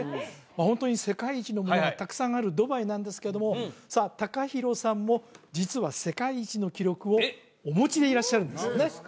ホントに世界一のものがたくさんあるドバイなんですけどもさあＴＡＫＡＨＩＲＯさんも実は世界一の記録をお持ちでいらっしゃるんですよね